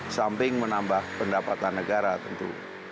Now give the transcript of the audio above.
samping menambah pendapatan negara tentu